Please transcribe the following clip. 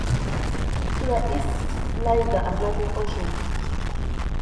To the east lies the Atlantic Ocean.